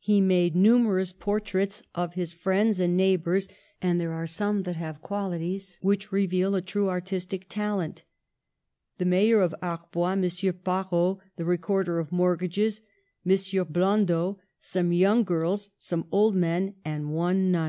He made nu 10 PASTEUR merous portraits of his friends and neighbours ; and there are some that have qualities which reveal a true artistic talent: the mayor of Ar bois, M. Pareau, the recorder of mortgages, M. Blondeau, some young girls, some old men, and one nun.